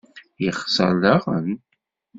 Yexser daɣen?